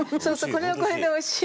これはこれでおいしい。